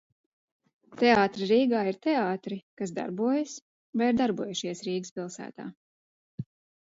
Teātri Rīgā, ir teātri, kas darbojas vai ir darbojušies Rīgas pilsētā.